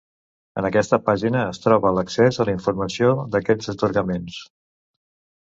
En aquesta pàgina es troba l'accés a la informació d'aquests atorgaments.